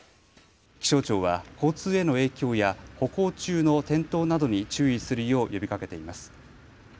気象庁は交通への影響や歩行中の転倒などに注意するよう呼びかけています。